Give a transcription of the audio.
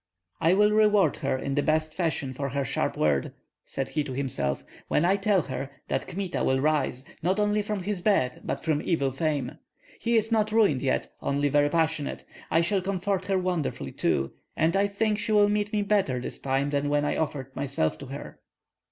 "I will reward her in the best fashion for her sharp word," said he to himself, "when I tell her that Kmita will rise, not only from his bed, but from evil fame. He is not ruined yet, only very passionate. I shall comfort her wonderfully too, and I think she will meet me better this time than when I offered myself to her."